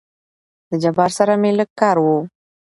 د جبار سره مې لېږ کار وو.